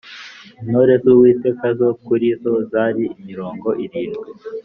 intore z Uwiteka zo kuri zo zari mirongo irindwi